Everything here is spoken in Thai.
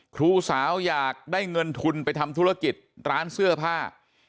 ครูสาวอยากได้เงินทุนไปทำธุรกิจร้านเสื้อผ้า